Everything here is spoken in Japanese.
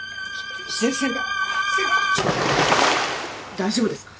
大丈夫ですか？